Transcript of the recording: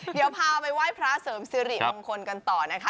เดี๋ยวพาไปไหว้พระเสริมสิริมงคลกันต่อนะคะ